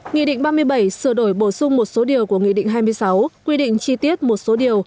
nghị định ba mươi bảy sửa đổi bổ sung một số điều của nghị định hai mươi sáu quy định chi tiết một số điều